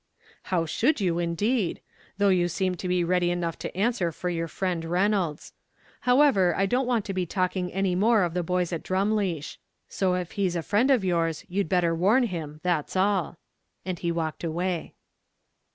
"How should you, indeed! though you seem to be ready enough to answer for your friend Reynolds. However, I don't want to be taking any more of the boys at Drumleesh; so if he is a friend of yours, you'd better warn him, that's all:" and he walked away.